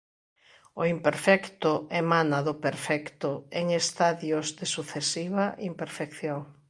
O imperfecto emana do perfecto en estadios de sucesiva imperfección.